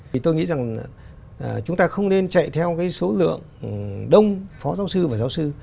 thì tôi nghĩ rằng chúng ta không nên chạy theo cái số lượng đông phó giáo sư và giáo sư